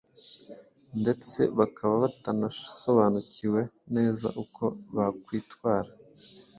ndetse bakaba batanasobanukiwe neza uko bakwitwara